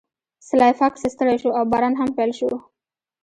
سلای فاکس ستړی شو او باران هم پیل شو